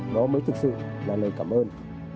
đó mới thực sự là lời cảm ơn